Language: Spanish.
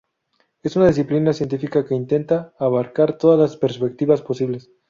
Es una disciplina científica que intenta abarcar todas las perspectivas posibles.